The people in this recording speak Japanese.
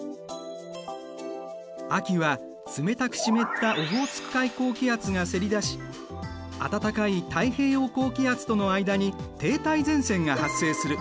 秋は冷たく湿ったオホーツク海高気圧がせり出し暖かい太平洋高気圧との間に停滞前線が発生する。